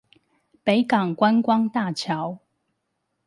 北港觀光大橋